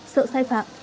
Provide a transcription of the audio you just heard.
sợ sai phạm